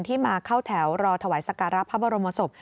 มาเข้าแถวรอถวายสการะพระบรมศพ